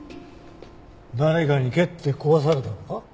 誰かに蹴って壊されたのか。